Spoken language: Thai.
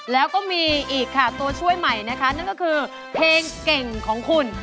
แล้วก็มีอีกค่ะตัวช่วยใหม่นะคะนั่นก็คือเพลงเก่งของคุณ